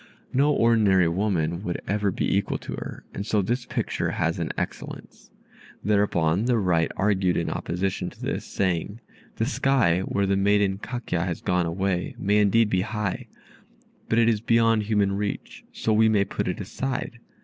No ordinary woman would ever be equal to her, and so this picture has an excellence." Thereupon the right argued in opposition to this, saying, "The sky, where the maiden Kakya has gone away, may indeed be high, but it is beyond human reach, so we may put it aside.